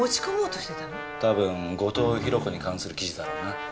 たぶん後藤宏子に関する記事だろうな。